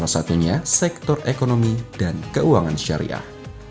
salah satunya sektor ekonomi dan keuangan syariah